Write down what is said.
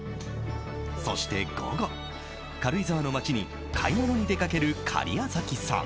そして午後、軽井沢の街に買い物に出かける假屋崎さん。